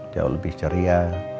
jauh lebih ceria